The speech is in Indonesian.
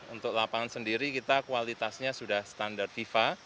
untuk lapangan sendiri kita kualitasnya sudah standar fifa